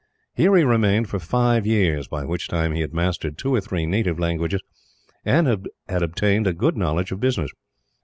Here he remained for five years, by which time he had mastered two or three native languages, and had obtained a good knowledge of business.